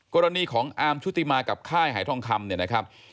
กรณีของอามชุติมากับค่ายหายท่องคำ